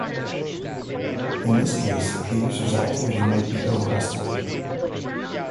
In this case, the user's activity might be overestimated.